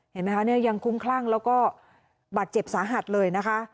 เห็นไหมคะเนี่ยยังคุ้มคลั่งแล้วก็บาดเจ็บสาหัสเลยนะคะ